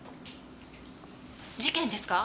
事件ですか？